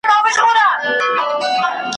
د دوستانو له بېلتون څخه کړېږې`